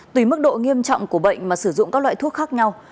tùy mức độ nghiêm trọng của bệnh mà sử dụng các loại thuốc khác nhau